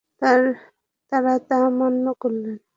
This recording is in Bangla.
তাঁরা তা মান্য করলেন।